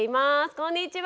こんにちは。